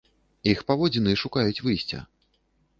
Іх паводзіны шукаюць выйсця.